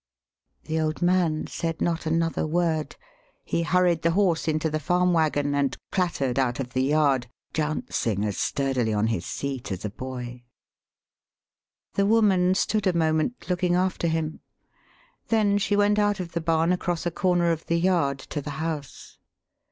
The old man said not another word. He hur ried the horse into the farm wagon, and clat tered out of the yard, [jouncing as sturdily on his seat as a boy]. The woman stood a moment looking after him, then she went out of the barn across a cor ner of the yard to the house.